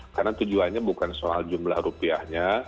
karena tujuannya bukan soal jumlah rupiahnya